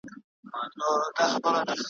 غټ ښنګوري یې پر ځای وه د منګولو `